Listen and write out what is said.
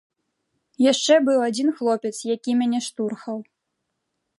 Яшчэ быў адзін хлопец, які мяне штурхаў.